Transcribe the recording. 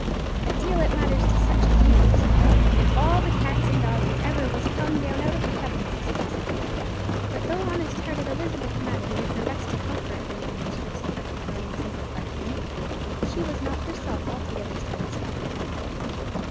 A deal it matters to such as you, Miss Laura, if all the cats and dogs as ever was come down out of the heavens this blessed day." But though honest hearted Elizabeth Madden did her best to comfort her young mistress after her own simple fashion, she was not herself altogether satisfied.